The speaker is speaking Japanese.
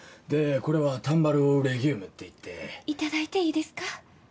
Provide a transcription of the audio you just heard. これはタンバル・オゥ・レギュームっていっていただいていいですか？